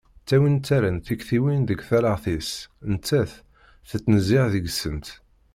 Ttawint ttarrant tektiwin deg tallaɣt-is netta-t tettnezzih deg-sent.